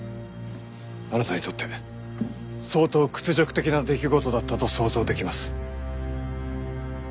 あなたにとって相当屈辱的な出来事だったと想像できます。